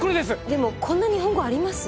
でもこんな日本語あります？